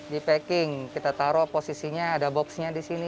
di packing kita taro posisinya ada boxnya disini